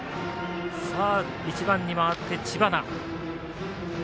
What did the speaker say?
１番に回って知花。